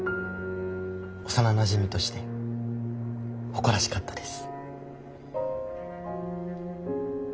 幼なじみとして誇らしかったです。